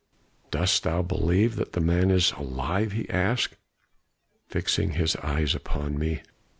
"'Dost thou believe that the man is alive?' he asked, fixing his eyes upon me.